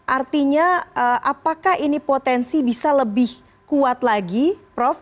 artinya apakah ini potensi bisa lebih kuat lagi prof